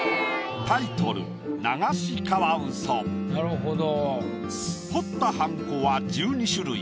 タイトル彫ったはんこは１２種類。